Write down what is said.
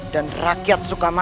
dan rakyat suka mana